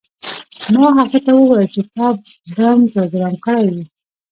ما هغه ته وویل چې تا بم پروګرام کړی و